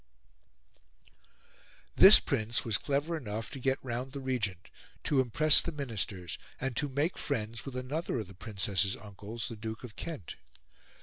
This Prince was clever enough to get round the Regent, to impress the Ministers, and to make friends with another of the Princess's uncles, the Duke of Kent.